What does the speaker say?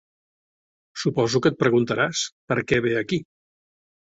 Suposo que et preguntaràs per què ve aquí.